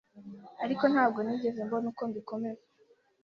ariko ntabwo nigeze mbona uko mbikomeza